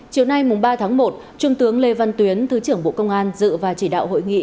chiều nay ba tháng một trung tướng lê văn tuyến thứ trưởng bộ công an dự và chỉ đạo hội nghị